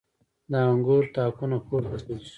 د انګور تاکونه پورته خیژي